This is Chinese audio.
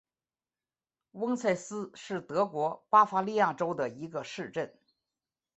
翁塞斯是德国巴伐利亚州的一个市镇。